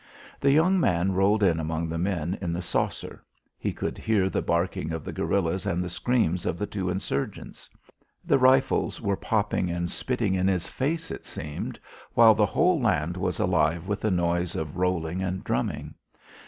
The young man rolled in among the men in the saucer. He could hear the barking of the guerillas and the screams of the two insurgents. The rifles were popping and spitting in his face, it seemed, while the whole land was alive with a noise of rolling and drumming.